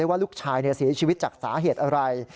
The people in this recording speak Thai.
ว่าลูกชายเสียชีวิตจากสาเหตุอะไร